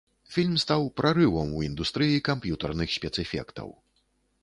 Фільм стаў прарывам у індустрыі камп'ютарных спецэфектаў.